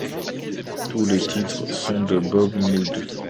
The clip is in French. Tous les titres sont de Bob Mould.